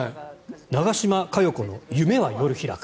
「長嶋佳代子の夢は夜開く」。